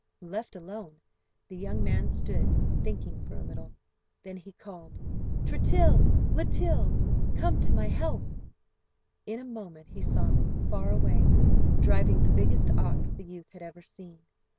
Left alone, the young man stood thinking for a little. Then he called: "Tritill, Litill, come to my help!" In a moment he saw them, far away, driving the biggest ox the youth had ever seen.